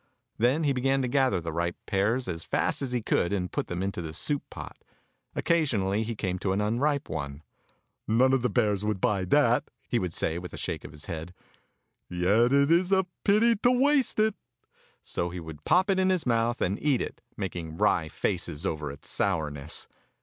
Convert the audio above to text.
Then he began to gather the ripe pears as fast as he could and put them into the soup pot. Occasionally he came to an unripe one. "None of the bears would buy that," he would say with a shake of his head, "yet it is a pity to waste it." So he would pop it into his mouth and eat it, making wry faces over its sourness.